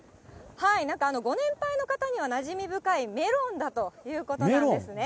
ご年配の方にはなじみ深いメロンだということなんですね。